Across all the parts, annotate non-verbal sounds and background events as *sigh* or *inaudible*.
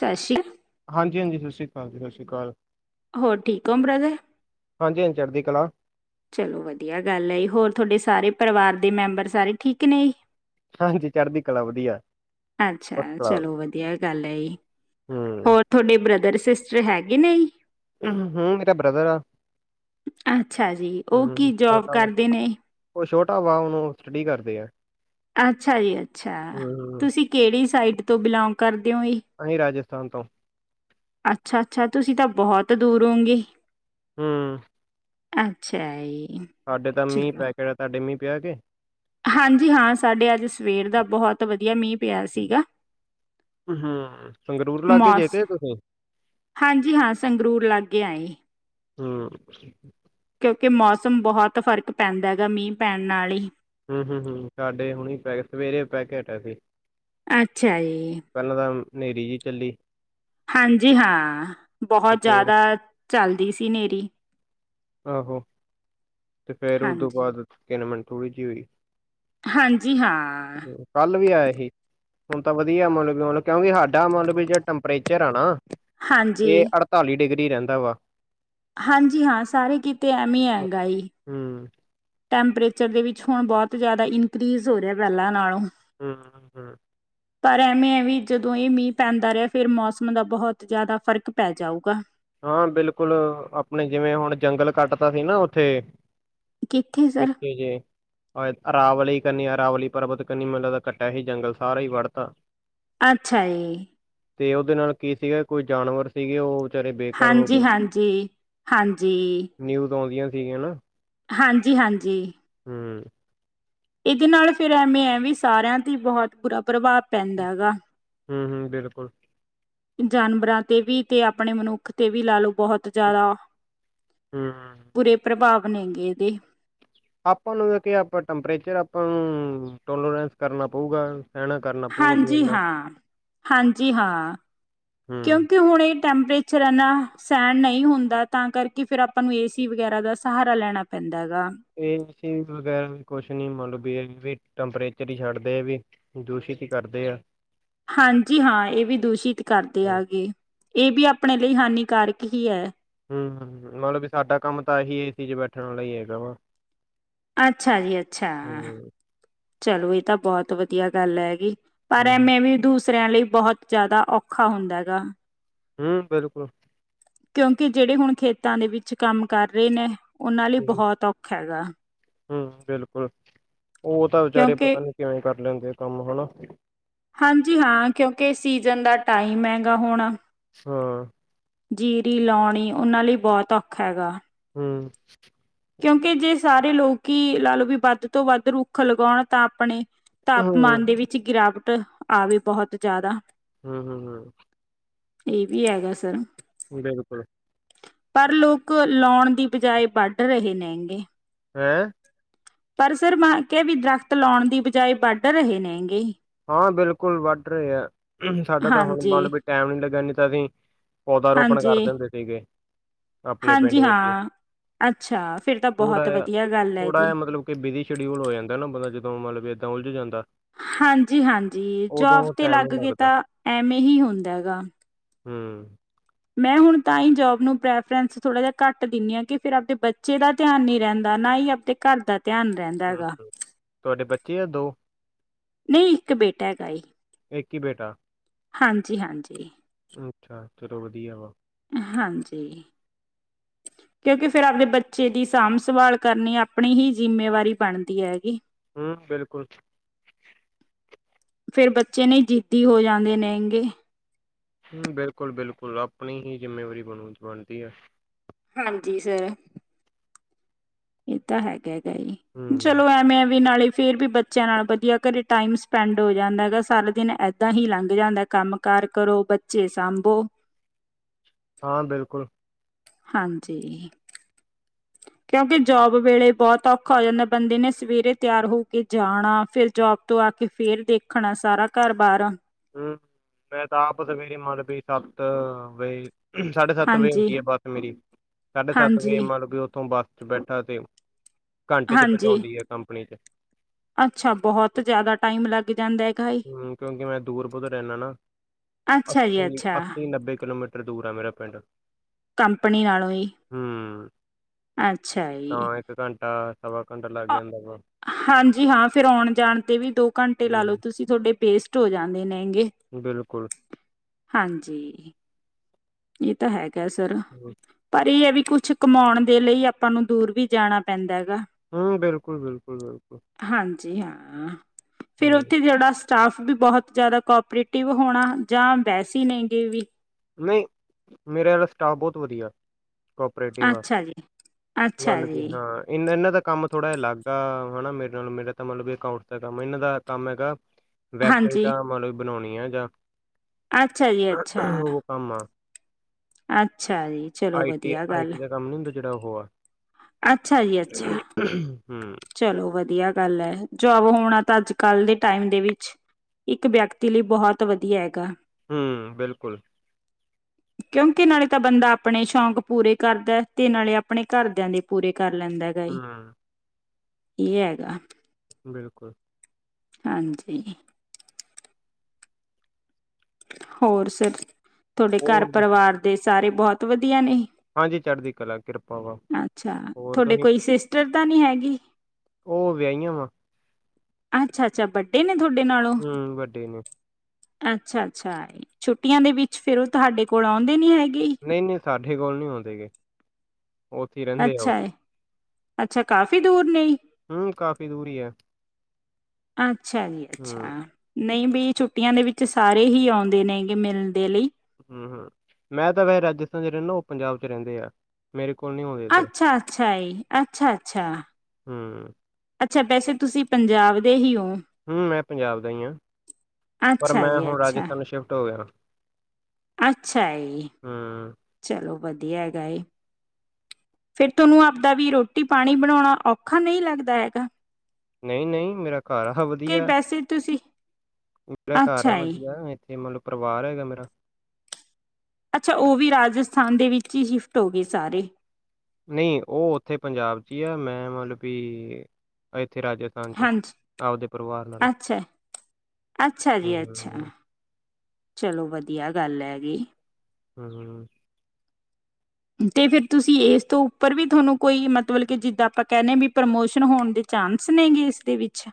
ਸਤਿ ਸ਼੍ਰੀ ਹਾਂਜੀ, ਹਾਂਜੀ ਸਤਿ ਸ਼੍ਰੀ ਅਕਾਲ ਜੀ, ਸਤਿ ਸ਼੍ਰੀ ਅਕਾਲ। ਹੋਰ ਠੀਕ ਹੋ ਬ੍ਰਦਰ ਹਾਂਜੀ, ਹਾਂਜੀ ਚੜ੍ਹਦੀ ਕਲਾ। ਚਲੋ ਵਧੀਆ ਗੱਲ ਹੈ ਹੋਰ ਤੁਹਾਡੇ ਸਾਰੇ ਪਰਿਵਾਰ ਦੇ ਮੈਂਬਰ ਸਾਰੇ ਠੀਕ ਨੇ ਹਾਂਜੀ ਚੜ੍ਹਦੀ ਕਲਾ ਵਧੀਆ। ਅੱਛਾ ਫਸਟ ਕਲਾਸ ਚਲੋ ਵਧੀਆ ਗੱਲ ਹੈ ਜੀ, ਹੂੰ, ਹੋਰ ਤੁਹਾਡੇ ਬ੍ਰਦਰ ਸਿਸਟਰ ਹੈਗੇ ਨੇ? ਹੂੰ ਮੇਰਾ ਬ੍ਰਦਰ ਆ, ਅੱਛਾ ਜੀ ਉਹ ਹੂੰ ਕੀ ਜੋਬ ਛੋਟਾ ਵਾ ਕਰਦੇ ਨੇ ਉਹ ਛੋਟ ਟਾਵਾ ਉਹਨੂੰ ਸਟੱਡੀ ਕਰਦੇ ਐ। ਅੱਛਾ ਜੀ, ਅੱਛਾ ਤੁਸੀਂ ਕਿਹੜੀ ਸਾਈਡ ਤੋ ਬਿਲੋਂਗ ਕਰ ਅਸੀਂ ਰਾਜਸ ਸਥਾਂਤ ਤੋ। ਅੱਛਾ, ਅੱਛਾ ਤੁਸੀਂ ਤਾਂ ਬਹੁਤ ਦੂਰੋ ਓੰਗੇ। ਹੂੰ ਅੱਛਾ ਈ। ਸਾਹਾਡੇ ਤਾਂ ਮੀਂਹ ਪੈ ਕੇ ਹਟਿਆ ਹੈ, ਤੁਡੇ ਮੀਂਹ ਪਿਆ ਕੇ ਹਾਂਜੀ ਹਾਂ ਸਾਡੇ ਅੱਜ ਸਵੇਰ ਦਾ ਬਹੁਤ ਵਧੀਆ ਮੀਂਹ ਪਿਆ ਸੀਗਾ, ਹੂੰ ਸੰਗਰੂਰ ਲਾਗੇ ਜੇ ਮੌਸ ਕੇ ਤੁਸੀਂ ਹਾਂਜੀ ਹਾਂ ਸੰਗਰੂਰ ਲਾਗੇ ਆਏ ਹੂੰ ਕਿ ਮੌਸਮ ਬਹੁਤ ਫ਼ਰਕ ਪੈਂਦਾ ਹੈਗਾ ਮੀਂਹ ਪੈਣ ਨਾਲ ਹੀ ਹੂੰ ਹੂੰ ਹੂੰ ਸਾਡੇ ਹੁਣੀ ਪੈ ਸਵੇਰੇ ਪੈਕੇ ਹਟਿਆ ਸੀ। ਅੱਛਾ ਜੀ ਪਹਿਲਾਂ ਤਾਂ ਹਨੇਰੀ ਜਹੀ ਚੱਲੀ ਹਾਂਜੀ ਹਾਂ ਤੇ ਬਹੁਤ ਫੇਰ ਜ਼ਿਆਦਾ ਚੱਲਦੀ ਸੀ ਹਨੇਰੀ ਆਹੋ ਤੇ ਫੇਰ ਉਦੋਂ ਹਾਂਜੀ, ਬਾਅਦ ਕਿਨ ਮਿਨ ਥੋੜੀ ਜੀ ਹੋਈ ਹਾਂਜੀ ਹਾਂ। ਕੱਲ ਵੀ ਆਇਆ ਸੀ ਹੁਣ ਤਾਂ ਵਧੀਆ ਮਤਲਬ ਮਤਲਬ ਕਿਉਂਕ ਸਾਡਾ ਮਤਲਬ ਵੀ ਜੜਾ ਟੈਂਪਰੇਚਰ ਆ ਨਾ ਇਹ ਹਾਂਜੀ। ਅੜਤਾਲੀ ਡਿਗਰੀ ਰਹਿੰਦਾ ਵਾ ਹਾਂਜੀ ਹਾਂ ਸਾਰੇ ਕਿਤੇ ਐਵੇ ਹੀ ਐ ਗਾ ਜੀ, ਹੂੰ, ਟੈਂਪਰੇਚਰ ਦੇ ਵਿੱਚ ਹੁਣ ਬਹੁਤ ਜ਼ਿਆਦਾ ਇਨਕਰੀਜ਼ ਹੋ ਰਿਹਾ ਪਹਿਲਾਂ ਨਾਲੋਂ ਹੂੰ-ਹੂੰ, ਪਰ ਐਵੇਂ ਹੈ ਵੀ ਜਦੋਂ ਇਹ ਮੀਂਹ ਪੈਂਦਾ ਰਿਹਾ ਫਿਰ ਮੌਸਮ ਦਾ ਬਹੁਤ ਜ਼ਿਆਦਾ ਫ਼ਰਕ ਪੈ ਜਾਊਗਾ। ਹਾਂ ਬਿਲਕੁਲ ਆਪਣੇ ਜਿਵੇਂ ਹੁਣ ਜੰਗਲ ਕੱਟਦਾ ਸੀ ਨਾ ਉੱਥੇ ਕਿੱਥੇ ਸਰ? ਪਿੱਛੇ ਜੇ ਰਾਵਲੀ ਕਰਨੀ ਆ, ਰਾਵਲੀ ਪਰਬਤ ਕਨੀ ਕੱਟਿਆ ਹੀ ਜੰਗਲ ਸਾਰਾ ਹੀ ਵੜਤਾ, ਅੱਛਾ ਜੀ, ਤੇ ਉਹਦੇ ਨਾਲ ਕੀ ਸੀਗਾ ਕੋਈ ਜਾਨਵਰ ਸੀਗੇ ਉਹ ਵਿਚਾਰੇ ਬੇਘਰ ਹੋ ਗਏ ਹਾਂਜੀ-ਹਾਂਜੀ-ਹਾਂਜੀ, ਠੀਕ ਹੈ ਨਾ, ਹਾਂਜੀ-ਹਾਂਜੀ, ਹੂੰ, ਇਹਦੇ ਨਾਲ ਫਿਰ ਐਵੇਂ ਹੈ ਵੀ ਸਾਰਿਆਂ ਤੇ ਬਹੁਤ ਬੁਰਾ ਪ੍ਰਭਾਵ ਪੈਂਦਾ ਹੈ ਗਾ। ਹੂੰ-ਹੂੰ, ਬਿਲਕੁਲ। ਜਾਨਵਰਾਂ ਤੇ ਵੀ ਤੇ ਆਪਣੇ ਮਨੁੱਖ ਤੇ ਵੀ ਲਾ ਲੋ। ਬਹੁਤ ਜ਼ਿਆਦਾ ਹੂੰ ਬੁਰੇ ਪ੍ਰਭਾਵ, ਆਪਣੇ ਗਏ ਦੇ, ਆਪਾਂ ਨੂੰ ਆਪਾਂ ਟੈਂਪਰੇਚਰ ਆਪਾਂ ਨੂੰ ਟੋਲਰੈਂਸ ਕਰਨਾ ਪਊਗਾ। ਸਹਿਣਾ ਕਰਨਾ ਪਊਗਾ ਵੀ ਹਾਂਜੀ ਇੰਨਾ ਹਾਂ, ਹਾਂਜੀ ਹਾਂ, ਹੂੰ ਕਿਉਂਕਿ ਹੁਣ ਇਹ ਟੈਂਪਰੇਚਰ ਐਨਾ ਸਹਿਣ ਨਹੀਂ ਹੁੰਦਾ ਤਾਂ ਕਰਕੇ ਫਿਰ ਆਪਾਂ ਨੂੰ ਏ ਸੀ ਵਗੈਰਾ ਦਾ ਸਹਾਰਾ ਲੈਣਾ ਪੈਂਦਾ। ਹੈਗਾ। ਇਹ ਚੀਜ਼ ਵਗੈਰਾ ਵੀ ਕੁਛ ਨੀ ਮਤਲਬ ਟੈਂਪਰੇਚਰ ਹੀ ਛੱਡਦੇ ਆ ਵੀ, ਦੂਸ਼ਿਤ ਹੀ ਕਰਦੇ ਆ। ਹਾਂਜੀ ਹਾਂ ਇਹ ਵੀ ਦੂਸ਼ਿਤ ਕਰਦੇ ਹੂੰ ਆ ਕੇ, ਇਹ ਵੀ ਆਪਣੇ ਲਈ ਹਾਨੀਕਾਰਕ ਹੀ ਹੈ। ਹੂੰ-ਹੂੰ, ਮਤਲਬ ਵੀ ਸਾਡਾ ਕੰਮ ਤਾਂ ਅਹੀ ਏ ਸੀ ਚ ਬੈਠਣ ਵਾਲਾ ਹੀ ਹੈਗਾ ਵਾ ਅੱਛਾ ਜੀ, ਅੱਛਾ। ਹੂੰ ਚਲੋ ਇਹ ਤਾਂ ਬਹੁਤ ਵਧੀਆ ਗੱਲ ਹੈਗੀ। ਪਰ ਹੂੰ ਐਵੇਂ ਵੀ ਦੂਸ ਸਰਿਆਂ ਲਈ ਬਹੁਤ ਜ਼ਿਆਦਾ ਔਖਾ ਹੁੰਦਾ ਐ ਗਾ। ਹੂੰ, ਬਿਲਕੁਲ। ਕਿਉਂਕਿ ਜਿਹੜੇ ਹੁਣ ਖੇਤਾਂ ਦੇ ਵਿੱਚ ਕੰਮ ਕਰ ਰਹੇ ਨੇ ਉਹਨਾਂ ਲਈ ਹੂੰ ਬਹੁਤ ਔਖਾ ਐ ਗਾ। ਹੂੰ ਬਿਲਕੁਲ, ਉਹ ਤਾਂ ਵਿਚਾਰੇ ਕਿਉਂਕਿ ਪਤਾ ਨੂੰ ਕਿਵੇਂ? ਕਰ ਲੈਂਦੇ ਆ ਕੰਮ ਹਨਾ, ਹਾਂਜੀ ਹਾਂ, ਕਿਉਂਕਿ ਸੀਜ਼ਨ ਦਾ ਟਾਈਮ ਹੈਗਾ ਹੋਣਾ। ਹਾਂ, ਜੀਰੀ ਲਾਉਣੀ, ਉਹਨਾਂ ਲਈ ਬਹੁਤ ਔਖਾ ਐ ਗਾ। ਹੂੰ, ਕਿਉਂਕਿ ਜੇ ਸਾਰੇ ਲੋਕ ਹੀ ਲਾ ਲਓ ਵੀ ਵੱਧ ਤੋਂ ਵੱਧ ਰੁੱਖ ਲਗਾਉਣ ਤਾਂ ਆਪਣੇ ਹੂੰ ਤਾਪਮਾਨ ਦੇ ਵਿੱਚ ਗਿਰਾਵਟ ਆਵੇ ਬਹੁਤ ਜਿਆਦਾ ਹੂੰ ਹੂੰ ਹੂੰ। ਇਹ ਵੀ ਹੈਗਾ ਸਰ ਬਿਲਕੁਲ ਪਰ ਲੋਕ ਲਾਉਣ ਦੀ ਬਜਾਏ ਵੱਢ ਰਹੇ ਨੇ ਗੇ। ਹੈਂ ਪਰ ਸਰ ਮੈਂ ਕਿਹਾ ਵੀ ਦਰਖਤ ਲਾਉਣ ਦੀ ਬਜਾਏ ਵੱਢ ਰਹੇ ਨੇ ਹੈਗੇ। ਹਾਂ ਬਿਲਕੁਲ ਵੱਢ ਰਹੇ ਆ, ਸਾਡਾ ਤਾਂ ਹੁਣ ਹਾਂਜੀ ਮਤਲਬ ਵੀ ਟਾਈਮ ਨੀ ਲੱਗਾ ਕਦੀ ਪੌਦਾ ਰੋਪਣ ਹਾਂਜੀ ਕਰਦੇ ਹੁੰਦੇ ਸੀਗੇ। ਆਪਣੇ ਪਿੰਡ ਹਾਂਜੀ ਵਿੱਚ ਹਾਂ ਅੱਛਾ ਫਿਰ ਤਾਂ ਥੋੜਾ ਬਹੁਤ ਜਿਹਾ ਵਧੀਆ ਗੱਲ ਹੈ ਥੋੜਾ ਜੀ ਜਿਹਾ ਮਤਲਬ ਕਿ ਬਿਜੀ ਸ਼ਡਿਊਲ ਹੋ ਜਾਂਦਾ ਨਾ, ਬੰਦਾ ਜਦੋਂ ਮਤਲਬ ਉਲਝ ਜਾਂਦਾ। ਹਾਂਜੀ। ਹਾਂਜੀ ਜੋਬ ਉਦੋਂ ਤੇ ਟਾਈਮ ਨਹੀਂ ਲਗ ਕੇ ਲੱਗਦਾ। ਤਾਂ ਐਵੇ ਹੀ ਹੁੰਦਾ ਹੈਗਾ। ਹੂੰ ਮੈਂ ਹੁਣ ਤਾਂ ਹੀ ਜੋਬ ਨੂੰ ਪ੍ਰੈਫਰੈਂਸ ਥੋੜ੍ਹਾ ਜਿਹਾ ਘੱਟ ਦਿੰਦੀ ਹਾਂ, ਕਿ ਫਿਰ ਆਪਦੇ ਬੱਚੇ ਦਾ ਧਿਆਨ ਨੀ ਰਹਿੰਦਾ ਨਾ ਹੀ ਆਪਣੇ ਘਰ ਦਾ ਧਿਆਨ ਰਹਿੰਦਾ ਹੂੰ, ਹੈਗਾ, ਹੂੰ। ਤੁਹਾਡੇ ਬੱਚੇ ਆ ਨਹੀਂ ਇੱਕ ਬੇਟਾ ਹੈਗਾ ਏ ਇੱਕ ਹੀ ਬੇਟਾ। ਹਾਂਜੀ ਹਾਂਜੀ। ਅੱਛਾ ਚਲੋ ਵਧੀਆ ਵਾ। ਹਾਂਜੀ, ਕਿਉਂਕਿ ਫਿਰ ਆਪਦੇ ਬੱਚੇ ਦੀ ਸਾਂਭ ਸੰਭਾਲ ਕਰਨੀ ਆਪਣੀ ਹੀ ਜਿੰਮੇਵਾਰੀ ਬਣਦੀ ਹੈਗੀ। ਹੂੰ ਬਿਲਕੁਲ ਫਿਰ ਬੱਚੇ ਨਹੀਂ ਜਿੱਦੀ ਹੋ ਜਾਂਦੇ ਨੇਗੇ। ਹੂੰ ਬਿਲਕੁਲ ਬਿਲਕੁਲ ਆਪਣੀ ਹੀ ਜਿੰਮੇਵਾਰੀ ਬਣ ਬਣਦੀ ਹੈ। ਹਾਂਜੀ ਸਰ ਇਹ ਤਾਂ ਹੈਗੇ ਹੈ। ਹੂੰ, ਚਲੋ ਐਵੇਂ ਵੀ ਨਾਲ ਹੀ ਫੇਰ ਵੀ ਬੱਚਿਆਂ ਨਾਲ ਵਧੀਆ ਘਰੇ ਟਾਈਮ ਸਪੈਂਡ ਹੋ ਜਾਂਦਾਗਾ ਸਾਰਾ ਦਿਨ ਏਦਾਂ ਹੀ ਲੰਘ ਜਾਂਦਾ ਕੰਮ ਕਾਰ ਕਰੋ ਬੱਚੇ ਸਾਂਭੋ। ਹਾਂ ਬਿਲਕੁਲ ਹਾਂਜੀ। ਕਿਉਂਕਿ ਜੋਬ ਵੇਲੇ ਬਹੁਤ ਔਖਾ ਹੋ ਜਾਂਦਾ, ਬੰਦੇ ਨੇ ਸਵੇਰੇ ਤਿਆਰ ਹੋ ਕੇ ਜਾਣਾ, ਫਿਰ ਜੋਬ ਤੋਂ ਆ ਕੇ ਫੇਰ ਦੇਖਣਾ ਸਾਰਾ ਘਰ ਬਾਹਰ ਹੂੰ ਮੈਂ ਤਾਂ ਆਪ *unintelligible* ਸਾਢੇ ਸੱਤ ਵਜੇ ਹਾਂਜੀ। ਹੁੰਦੀ ਹੈ ਬੱਸ ਮੇਰੀ ਸਾਢੇ ਸੱਤ ਵਜੇ ਹਾਂਜੀ, ਮਤਲਬ ਕਿ ਉੱਥੋਂ ਬੱਸ ਬੈਠਾ ਤੇ ਘੰਟੇ 'ਚ ਹਾਂਜੀ ਪਹੁੰਚਾਉਂਦੀ ਹੈ ਕੰਪਨੀ 'ਚ। ਅੱਛਾ ਬਹੁਤ ਤੇ, ਜਿਆਦਾ ਟਾਈਮ ਲੱਗ ਜਾਂਦਾ ਹੈ। ਹੂੰ ਕਿਉਂਕਿ ਮੈਂ ਦੂਰ ਬੌਤ ਰਹਿੰਦਾ ਨਾ ਅੱਛਾ ਜੀ ਅੱਸੀ ਅੱਛਾ ਅੱਸੀ ਨੱਬੇ ਕਿਲੋਮੀਟਰ ਦੂਰ ਆ ਮੇਰਾ ਪਿੰਡ ਕੰਪਨੀ ਨਾਲੋਂ ਹੀ ਹੂੰ ਅੱਛਾ ਜੀ ਤਾਂ ਘੰਟਾ ਸਵਾ ਘੰਟਾ ਲੱਗ ਜਾਂਦਾ ਵਾ ਹਾਂਜੀ ਹਾਂ ਫਿਰ ਆਉਣ ਜਾਨ ਤੇ ਵੀ ਦੋ ਘੰਟੇ ਲਾ ਲਓ ਹੂੰ ਤੁਸੀਂ ਤੁਹਾਡੇ ਪੇਸਟ ਹੋ ਜਾਂਦੇ ਨੇ ਬਿਲਕੁਲ ਹਾਂਜੀ ਇਹ ਤਾ ਹੈ ਕਿਆ ਸਰ ਹੂੰ ਪਰ ਇਹ ਵੀ ਕੁਛ ਕਮਾਉਣ ਦੇ ਲਈ ਆਪਾਂ ਨੂੰ ਦੂਰ ਵੀ ਜਾਣਾ ਪੈਂਦੈ ਹਮ ਬਿਲਕੁਲ ਬਿਲਕੁਲ ਬਿਲਕੁਲ *unintelligible* ਫੇਰ ਹੂੰ ਓਥੇ ਜਿਹੜਾ ਸਟਾਫ ਵੀ ਬਹੋਤ ਜ਼ਿਆਦਾ ਕੋਪਰੇਟਿਵ ਹੋਣਾ ਜਾਂ ਵੈਸਹੀ ਨਹੀਂ ਗ ਵੀ ਮੇਰਾ ਸਟਾਫ ਬਹੋਤ ਵਧਐ ਕੋਪਰੇਟਿਵ ਅੱਛਾ ਜੀ ਅੱਛਾ *unintelligible* ਵੀ ਜੀ ਹਾਂ ਇਹਨਾ ਇਹਨਾਂ ਤ ਕੰਮ ਥੋੜਾ ਅਲੱਗ ਆ ਹਨਾ ਮੇਰੇ ਨਾਲ ਮੇਰਾ ਤਾਂ ਮਤਲਬ ਵੀ ਅਕਾਊਂਟ ਦਾ ਕੰਮ ਇਹਨਾਂ ਦਾ ਕੰਮ ਹੈਗਾ ਹਾਂਜੀ। ਵੈਬਸਾਈਟਾਂ ਮਤਲਬ ਬਣਾਉਣੀ *unintelligible* ਅੱਛਾ ਜੀ ਅੱਛਾ ਹਾਂ ਅੱਛਾ ਜੀ ਚਲੋ ਵਧੀਆ ਗੱਲ ਏ ਆਈਟੀ ਦਾ ਕੰਮ ਨਹੀਂ ਹੁੰਦਾ ਜਿਹੜਾ ਓਹ ਆ ਅੱਛਾ ਜੀ ਅੱਛਾ ਹੂੰ, ਚਲੋ ਵਧੀਆ। ਹੈ ਜੋਬ ਹੋਣਾ ਤਾਂ ਅੱਜ ਕੱਲ ਦੇ ਟਾਈਮ ਦੇ ਵਿੱਚ ਇੱਕ ਵਿਅਕਤੀ ਲਈ ਬਹੋਤ ਵਧੀਆ ਹੈਗਾ। ਹਮ ਬਿਲਕੁਲ ਕਿਉਂਕਿ ਨਾਲੇ ਤਾ ਬੰਦਾ ਆਪਣੇ ਸ਼ੌਂਕ ਪੂਰੇ ਕਰਦਾ ਤੇ ਨਾਲੇ ਆਪਣੇ ਘਰਦਿਆਂ ਦੇ ਪੂਰੇ ਕਰ ਲੈਂਦਾ *unintelligible* ਹੂੰ, ਇਹ ਹੈਗਾ। ਬਿਲਕੂਲ ਹਾਂਜੀ। ਹੋਰ ਸਿਰਫ਼ ਤੁਹਾਡੇ ਘਰ ਹੋਰ ਪਰਿਵਾਰ ਦੇ ਸਾਰੇ ਬਹੋਤ ਵਧੀਆ ਨੇ। ਹਾਂਜੀ, ਚੜ੍ਹਦੀ ਕਲਾ ਕਿਰਪਾ ਵਾ ਅੱਛਾ ਹੋਰ ਤੁਹਾਡੇ ਤੁਸੀਂ ਕੋਈ ਸਿਸਟਰ ਤਾਂ ਨੀ ਹੈਗੀ ਉਹ ਵਿਆਹੀਆਂ ਵਾ ਅੱਛਾ ਅੱਛਾ ਬਟ ਇਹ ਨੇ ਤੁਹਾਡੇ ਨਾਲੋਂ ਹਮ ਵੱਡੇ ਨੇ ਅੱਛਾ ਅੱਛਾ ਜੀ ਛੁੱਟੀਆਂ ਦੇ ਵਿੱਚ ਫੇਰ ਉਹ ਤੁਹਾਡੇ ਕੋਲ ਆਉਂਦੇ ਨੀ ਹੈਗੇ। ਨਹੀਂ -ਨਹੀਂ ਸਾਡੇ ਕੋਲ ਨੀ ਆਉਂਦੇ ਹੈਗੇ। ਉੱਥੇ ਰਹਿੰਦੇ ਆ ਉਹ । ਅੱਛਾ ਅੱਛਾ ਕਾਫ਼ੀ ਦੂਰ ਨੇ ਹਮ ਕਾਫੀ ਦੂਰੀ ਏ। *unintelligible* ਅੱਛਾ ਜੀ ਅੱਛਾ ਨਹੀਂ ਵੀ ਛੁੱਟੀਆਂ ਦੇ ਵਿੱਚ ਸਾਰੇ ਹੀ ਆਉਂਦੇ ਨੇ ਗੇ ਮਿਲਣ ਦੇ ਲਈ। ਹਮ -ਹਮ ਮੈਂ ਤਾਂ ਵੈ ਰਾਜਸਥਾਨ ਚ ਰਹਿੰਦਾ। ਉਹ ਪੰਜਾਬ ਚ ਰਹਿੰਦੇ ਆ। ਮੇਰੇ ਕੋਲ ਨਹੀਂ ਆਉਂਦੇ ਇੱਧਰ ਅੱਛਾ-ਅੱਛਾ ਏ, ਅੱਛਾ-ਅੱਛਾ ਹੂੰ, ਅੱਛਾ ਵੈਸੇ ਤੁਸੀਂ ਪੰਜਾਬ ਦੇ ਹੀ ਹੋ ਹਮ ਮੈਂ ਪੰਜਾਬ ਦਾ ਹੀ ਹਾਂ ਪਰ ਅੱਛਾ ਮੈਂ ਜੀ ਹੁਣ ਅੱਛਾ ਰਾਜਸਥਾਨ ਸ਼ਿਫਟ ਹੋ ਗਿਆ। ਅੱਛਾ ਏ, ਹੂੰ, ਚਲੋ ਵਧੀ ਧੀਆਂ ਹੈਗਾ, ਫੇਰ ਤਾਨੂੰ ਆਪਦਾ ਵੀ ਰੋਟੀ ਪਾਣੀ ਬਣਾਉਣਾ ਔਖਾ ਨਹੀਂ ਲੱਗਦਾ ਹੈਗਾ। ਨਹੀਂ -ਨਹੀਂ ਮੇਰਾ ਘਰ ਆ ਕਿ ਵਧੀਆ। ਵੈਸੇ ਤੁਸੀਂ ਮੇਰਾ ਘਰ ਆ ਅੱਛਾ ਜੀ ਵਧੀਆ ਤੇ ਮਤਲਬ ਪਰਿਵਾਰ ਹੈਗਾ ਮੇਰਾ। ਅੱਛਾ ਉਹ ਵੀ ਰਾਜਸਥਾਨ ਦੇ ਵਿੱਚ ਹੀ ਸ਼ਿਫਟ ਹੋ ਗਏ ਸਾਰੇ। ਨਹੀਂ ਉਹ ਉੱਥੇ ਪੰਜਾਬ ਚ ਹੀ ਆ ਮੈਂ ਮਤਲਬ ਕਿ ਇਥੇ ਰਾਜਸਥਾਨ ਚ ਹਾਂਜੀ ਆਪਦੇ ਪਰਿਵਾਰ ਨਾਲ। ਅੱਛਾ ਅੱਛਾ ਹਮ ਜੀ ਅੱਛਾ ਹ ਚਲੋ ਵਧੀਆ ਗੱਲ ਹੈਵੀ ਹਮ ਤੇ ਫਿਰ ਤੁਸੀਂ ਇਸ ਤੋਂ ਉੱਪਰ ਵੀ ਤੁਹਾਨੂੰ ਕੋਈ ਮਤਲਬ ਕਿ ਜਿੱਦਾਂ ਆਪਾਂ ਕਹਿਨੇ ਵੀ ਪ੍ਰਮੋਸ਼ਨ ਹੋਣ ਦੇ ਚਾਂਸ ਨੇਗੇ ਇਸਦੇ ਵਿੱਚ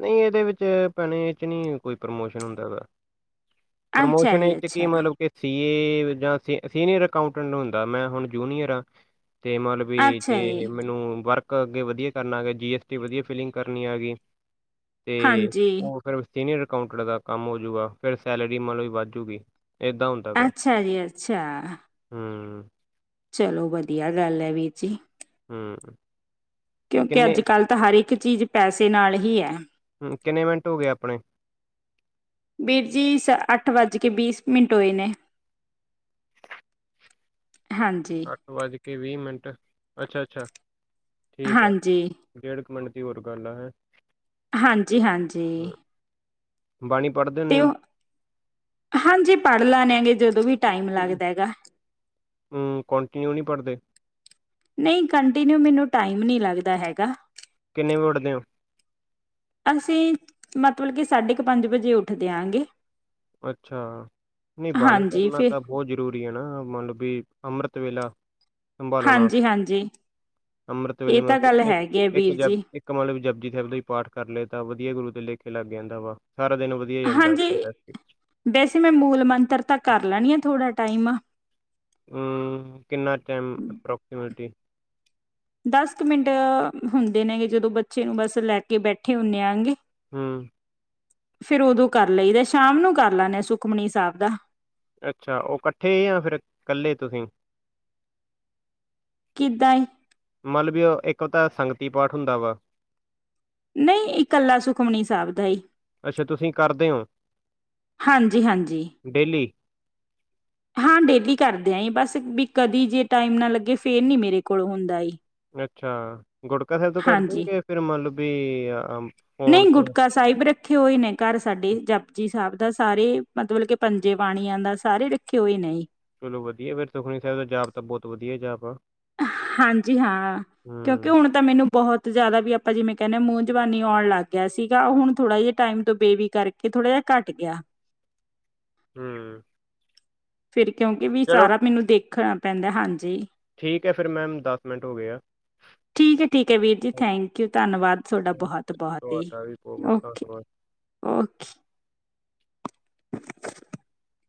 ਨਹੀਂ ਇਹਦੇ ਵਿੱਚ ਭੈਣੇ ਇਹ ਚ ਨਹੀਂ ਕੋਈ ਪ੍ਰਮੋਸ਼ਨ ਹੁੰਦਾ ਉਹਦਾ ਅੱਛਾ ਪ੍ਰਮੋਸ਼ਨ ਇਸ ਜੀ ਚ ਕੀ ਅੱਛਾ ਮਤਲਬ ਕਿ ਸੀ ਏ ਜਾ ਸੀਨੀਅਰ ਅਕਾਉਂਟੈਂਟ ਹੁੰਦਾ, ਮੈਂ ਹੁਣ ਜੂਨੀਅਰ ਹਾਂ ਤੇ ਮਤਲਬ ਵੀ ਅੱਛਾ ਜੇ ਜੀ ਮੈਨੂੰ ਵਰਕ ਅੱਗੇ ਵਧੀਆ ਕਰਨਾ ਹੈ। ਜੀ ਐਸ ਟੀ ਵਧੀਆ ਫਿਲਿੰਗ ਕਰਨੀ ਹੈਗੀ ਤੇ ਹਾਂਜੀ ਉਹ ਫੇਰ ਸੀਨੀਅਰ ਅਕਾਊਂਟਰ ਦਾ ਕੰਮ ਹੋਜੂਗਾ ਫਿਰ ਸੈਲਰੀ ਮਤਲਬ ਕੀ ਵੱਧਜੂਗੀ ਅੱਛਾ ਜੀ ਅੱਛਾ ਹੂੰ, ਚਲੋ ਵਧੀਆ ਗੱਲ ਹੈ ਵੀਰ ਜੀ ਹਮ ਕਿਉਂਕਿ ਅੱਜ ਕੱਲ੍ਹ ਤਾਂ ਹਰ ਇੱਕ ਚੀਜ਼ ਪੈਸੇ ਨਾਲ ਹੀ ਐ। ਹੂੰ, ਕਿੰਨੇ ਮਿੰਟ ਹੋ ਗਏ ਆਪਣੇ ਬੀਰ ਜੀ ਸ ਅੱਠ ਵੱਜ ਕੇ ਬੀਸ ਮਿੰਟ ਹੋਏ ਨੇ ਹਾਂਜੀ ਅੱਠ ਵੱਜ ਕੇ ਵੀਹ ਮਿੰਟ ਅੱਛਾ-ਅੱਛਾ, ਠੀਕ ਹੈ ਹਾਂਜੀ ਡੇਢ ਮਣ ਦੀ ਹੋਰ ਗੱਲ ਐ। ਹਾਂਜੀ-ਹਾਂਜੀ, ਬਾਣੀ ਪੜ੍ਹਦੇ ਤੇ ਹੁੰਨੇ ਹਾਂਜੀ ਪੜ੍ਹ ਲੈਨੇ ਆ ਗੇ ਜਦੋਂ ਵੀ ਟਾਈਮ ਓ? ਲੱਗਦਾ ਹੈ ਗ ਹੂੰ, ਕੰਟੀਨਿਊ ਨਹੀਂ ਪੜ੍ਹਦੇ ਨਹੀਂ ਕੰਟੀਨਿਊ ਮੈਨੂੰ ਟਾਈਮ ਨੀ ਲੱਗਦਾ ਹੈਗਾ। ਕਿੰਨੇ ਵੀ ਉੱਡਦੇ ਔ ਅਸੀਂ ਮਤਲਬ ਕਿ ਸਾਢੇ ਕ ਪੰਜ ਵਜੇ ਉੱਠਦੇ ਆ ਗੇ ਅੱਛਾ ਨਹੀਂ ਬਾਣੀ ਕਰਨਾ ਫਿਰ ਤਾਂ ਬਹੁਤ ਜਰੂਰੀ ਹੈ, ਨਾ ਮਤਲਬ ਵੀ ਅੰਮ੍ਰਿਤ ਵੇਲਾ ਸੰਭਾਲਣਾ ਹਾਂਜੀ ਹਾਂਜੀ ਅੰਮ੍ਰਿਤ ਵੇਲੇ ਇਹ ਤਾਂ ਗੱਲ ਹੈਗੀ ਹੈ ਵੀਰ ਜੀ ਇੱਕ-ਇੱਕ ਮਤਲਬ ਜਪ ਜਿੱਥੇ ਤੁਸੀਂ ਪਾਠ ਕਰ ਲਿਆ ਤਾਂ ਵਧੀਆ ਗੁਰੂ ਤੇ ਲੇਖੇ ਲੱਗ ਜਾਂਦਾ ਵਾ ਸਾਰਾ ਦਿਨ ਵਧੀਆ ਜਾਂਦਾ ਹਾਂਜੀ ਆਪ ਵੈਸੇ ਮੈਂ ਮੂਲ ਮੰਤਰ ਤਾਂ ਕਰ ਲੈਨੀ ਆ। ਥੋੜ੍ਹਾ ਟਾਈਮ, ਹੂੰ, ਕਿੰਨਾ ਟਾਈਮ ਅਪਰੋਕਸੀਮੇਟਲੀ? ਦਸ ਕੁ ਮਿੰਟ ਹੁੰਦੇ ਨੇ ਗੇ ਜਦੋਂ ਬੱਚੇ ਨੂੰ ਬਸ ਲੈ ਕੇ ਬੈਠੇ ਹੁੰਨੇ ਆਂ ਗੇ। ਹੂੰ, ਫੇਰ ਓਦੋਂ ਕਰ ਲਈ ਦਾ ਸ਼ਾਮ ਨੂੰ ਕਰ ਲੈਂਨੇ ਆਂ ਸੁਖਮਨੀ ਸਾਹਿਬ ਦਾ। ਅੱਛਾ ਉਹ ਇਕੱਠੇ ਯਾਂ ਫਿਰ ਇਕੱਲੇ ਤੁਸੀ? ਦਾ ਏ, ਮਤਲਬ ਵੀ ਇੱਕ ਤਾਂ ਸੰਗਤੀ ਪਾਠ ਹੁੰਦਾ ਵਾ। ਨਹੀਂ ਇਕੱਲਾ ਸੁਖਮਨੀ ਸਾਭ ਦਾ ਹੀ ਅੱਛਾ ਤੁਸੀਂ ਕਰਦੇ ਹੋ, ਹਾਂਜੀ-ਹਾਂਜੀ। ਡੇਲੀ? ਹਾਂ ਡੇਲੀ ਕਰਦੇ ਆ ਬਸ ਬੀ ਕਦੀ ਜੇ ਟਾਈਮ ਨਾ ਲੱਗੇ ਫੇਰ ਨੀ ਮੇਰੇ ਕੋਲ ਹੁੰਦਾ ਈ। ਅੱਛਾ ਗੁੜਕਾ ਸਾਹਿਬ ਤੋਂ ਕਰ ਦੇ ਹਾਂਜੀ ਓ ਫੇਰ ਮੰਨ ਲਓ ਵੀ ਅ ਫੋਨ ਨਹੀਂ ਤੇ ਗੁਟਕਾ ਸਾਹਿਬ ਰੱਖੇ ਹੋਏ ਨੇ ਘਰ ਸਾਡੇ ਜਪ ਜੀ ਸਾਹਿਬ ਦਾ ਸਾਰੇ ਮਤਲਬ ਕਿ ਪੰਜੇ ਪਾਣੀਆਂ ਦਾ ਸਾਰੇ ਰੱਖੇ ਹੋਏ ਨੇ ਜੀ। ਚਲੋ ਵਧੀਆ ਫਿਰ ਸੁੁਖਨੀ ਸਾਹਿਬ ਦਾ ਜਾਪ ਤਾਂ ਬਹੁਤ ਵਧੀਆ ਜਾਪ ਆ। ਹਾਂਜੀ ਹਾਂ ਕਿਉਂਕਿ ਹੂੰ, ਹੁਣ ਤਾਂ ਮੈਨੂੰ ਬਹੁਤ ਜ਼ਿਆਦਾ ਵੀ ਆਪਾਂ ਜਿਵੇਂ ਕਹਿੰਦੇ ਮੂੰਹ ਜਵਾਨੀ ਆਉਣ ਲੱਗ ਗਿਆ ਸੀਗਾ। ਹੁਣ ਥੋੜ੍ਹਾ ਜਿ ਟਾਈਮ ਤੋਂ ਬੇਬੀ ਕਰਕੇ ਥੋੜ੍ਹਾ ਜਿਹਾ ਘੱਟ ਗਿਆ। ਹੂਂ। ਫਿਰ। ਕਿਉਂਕਿ ਵੀ ਸਾਰਾ ਮੈਨੂੰ ਦੇਖਣ ਪੈਂਦਾ, ਹਾਂਜੀ। ਠੀਕ ਹੈ ਫਿਰ ਮੈਮ ਮਿੰਟ ਹੋ ਗਏ ਆ। ਠੀਕ ਹੈ-ਠੀਕ ਹੈ ਵੀਰ ਜੀ, ਥੈਂਕ ਯੂ। ਧੰਨਵਾਦ ਤੁਹਾਡਾ ਓਕੇ, ਬਹੁਤ-ਬਹੁਤ ਹੀ। ਤੁਹਾਡਾ ਵੀ ਬਹੁਤ-ਬਹੁਤ ਧੰਨਵਾਦ। ਓਕੇ-ਓਕੇ। *inaudible*